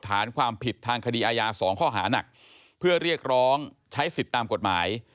ฐานความผิดทางคดีอาญา๒ข้อหานักเพื่อเรียกร้องใช้สิทธิ์ตามกฎหมาย